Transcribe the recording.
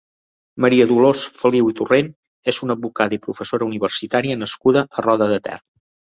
Maria Dolors Feliu i Torrent és una advocada i professora universitària nascuda a Roda de Ter.